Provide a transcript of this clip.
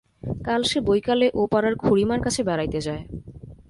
কাল সে বৈকালে ওপাড়ার খুড়িমার কাছে বেড়াইতে যায়।